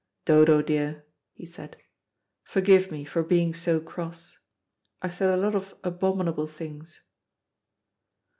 "Dodo, dear," he said, "forgive me for being so cross. I said a lot of abominable things."